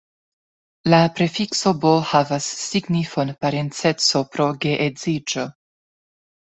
La prefikso bo- havas signifon "parenceco pro geedziĝo".